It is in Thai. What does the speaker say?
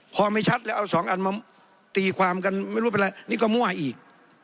พอไม่ชัดแล้วเอาสองอันมาตีความกันไม่รู้เป็นไรนี่ก็มั่วอีก